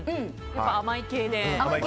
やっぱり甘い系で。